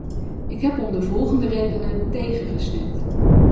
Ik heb om de volgende redenen tegen gestemd.